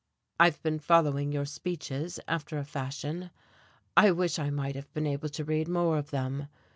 "I've been following your speeches, after a fashion, I wish I might have been able to read more of them.